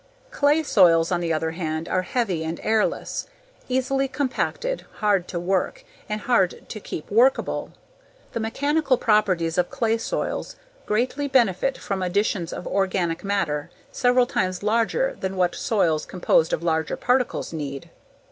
Clay soils on the other hand are heavy and airless, easily compacted, hard to work, and hard to keep workable. The mechanical properties of clay soils greatly benefit from additions of organic matter several times larger than what soils composed of larger particles need.